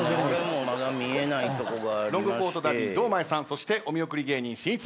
ロングコートダディ堂前さんそしてお見送り芸人しんいちさんです。